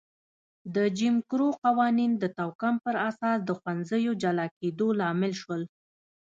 د جیم کرو قوانین د توکم پر اساس د ښوونځیو جلا کېدو لامل شول.